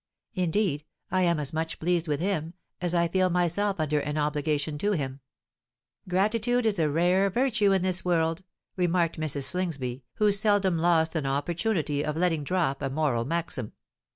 Indeed, I am as much pleased with him, as I feel myself under an obligation to him." "Gratitude is a rare virtue in this world," remarked Mrs. Slingsby, who seldom lost an opportunity of letting drop a moral maxim.